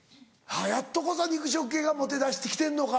やっとこさ肉食系がモテだして来てんのか。